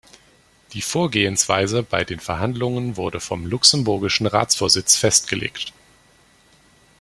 Die Vorgehensweise bei den Verhandlungen wurde vom luxemburgischen Ratsvorsitz festgelegt.